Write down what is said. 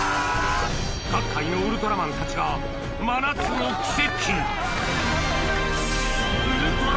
各界のウルトラマンたちが真夏の奇跡